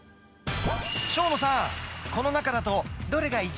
生野さん、この中だと、どれが一